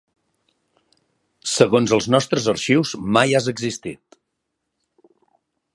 Segons els nostres arxius mai has existit.